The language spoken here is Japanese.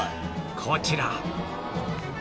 こちら